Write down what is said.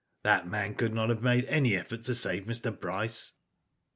That man could not have made any effort to save Mr. Bryce.